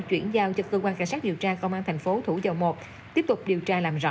chuyển giao cho cơ quan cảnh sát điều tra công an thành phố thủ dầu một tiếp tục điều tra làm rõ